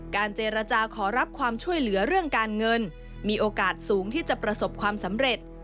เจรจาขอรับความช่วยเหลือเรื่องการเงินมีโอกาสสูงที่จะประสบความสำเร็จ